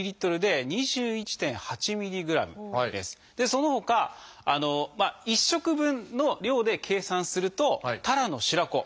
そのほか１食分の量で計算するとたらの白子